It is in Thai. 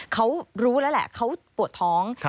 เขารู้แล้วแหละเขาปวดท้อง